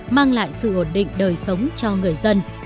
mang lại sự ổn định đời sống cho người dân